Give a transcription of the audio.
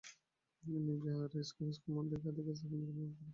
তিনি এই বিহারের মূল মন্দির ও একটি বৃহদাকার স্তূপের পুনর্নির্মাণ করান।